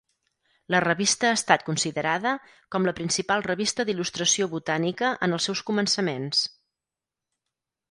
La revista ha estat considerada com la principal revista d'il·lustració botànica en els seus començaments.